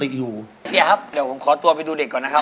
เดี๋ยวขอร้องคอนตัวมีดูเด็กก่อนนะครับ